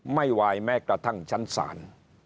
ไม่วายแม้กระทั่งชั้นศาล